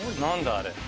あれ。